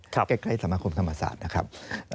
ใกล้สมาคมธรรมศาสตร์นะครับ